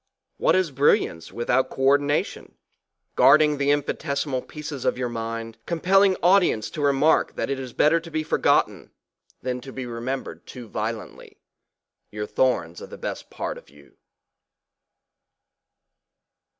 What is brilliance without co ordina tion? Guarding the infinitesimal pieces of your mind, compelling audience to the remark that it is better to be forgotten than to be remembered too violently, your thorns are the besl: part of you.